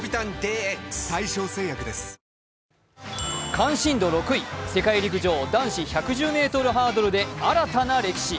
関心度６位、世界陸上、男子１１０ｍハードルで新たな歴史。